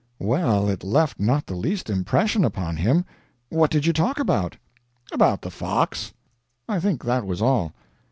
"Well, it left not the least impression upon him. What did you talk about?" "About the fox. I think that was all."